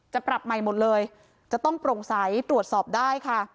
ปรับใหม่หมดเลยจะต้องโปร่งใสตรวจสอบได้ค่ะ